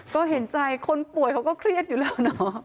ก็เห็นใจคนป่วยเขาก็เครียดอยู่แล้วเนอะ